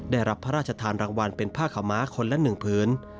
ได้รับพระราชธรรมรางวัลเป็นผ้าขาวม้าคนละหนึ่งผืน